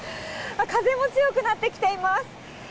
風も強くなってきています。